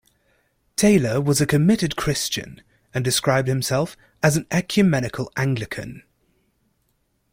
Taylor was a committed Christian and described himself as an ecumenical Anglican.